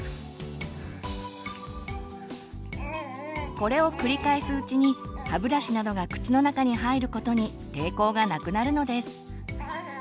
これを繰り返すうちに歯ブラシなどが口の中に入ることに抵抗がなくなるのです。